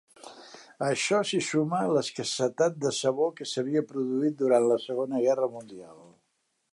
A això s'hi suma l'escassetat de sabó que s'havia produït durant la Segona Guerra Mundial.